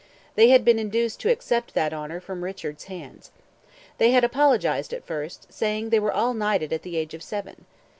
They had been induced to accept that honour from Richard's hand. They had apologized at first, saying they were all knighted at the age of seven.